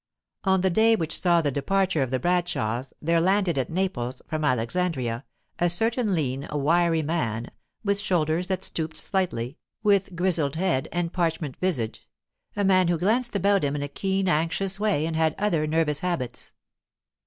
On the day which saw the departure of the Bradshaws, there landed at Naples, from Alexandria, a certain lean, wiry man, with shoulders that stooped slightly, with grizzled head and parchment visage; a man who glanced about him in a keen, anxious way, and had other nervous habits.